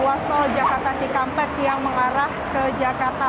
ruas tol jakarta cikampek yang mengarah ke jakarta